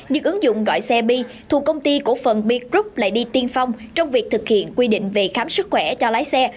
nhưng ứng dụng gọi xe bi thuộc công ty cổ phần b group lại đi tiên phong trong việc thực hiện quy định về khám sức khỏe cho lái xe